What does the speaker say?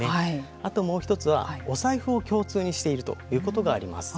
あともう一つはお財布を共通にしているということがあります。